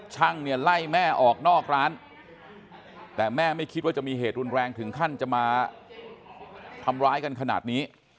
ช่างเนี่ยไล่แม่ออกนอกร้านแต่แม่ไม่คิดว่าจะมีเหตุรุนแรงถึงขั้นจะมาทำร้ายกันขนาดนี้